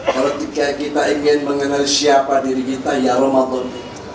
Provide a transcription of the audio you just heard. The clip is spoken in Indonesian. kalau kita ingin mengenal siapa diri kita ya ramadan